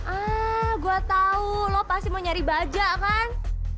ah gua tau lo pasti mau nyari baja kan